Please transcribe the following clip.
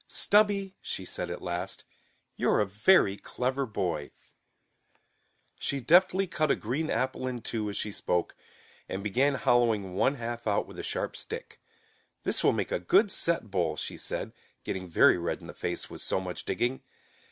"Stubby," she said at last, "you're a very clever boy." She deftly cut a green apple in two as she spoke, and began hollowing one half out with a sharp stick. "This will make a good set bowl," she said, getting very red in the face with so much digging.